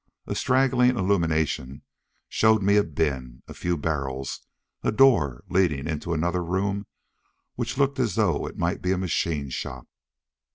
A straggling illumination showed me a bin, a few barrels, a door leading into another room which looked as though it might be a machine shop.